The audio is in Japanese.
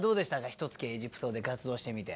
ひとつきエジプトで活動してみて。